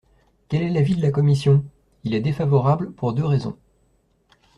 Quel est l’avis de la commission ? Il est défavorable, pour deux raisons.